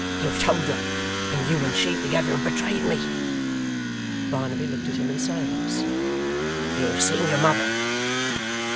You have told her; and you and she together have betrayed me!' Barnaby looked at him, in silence. 'You have seen your mother!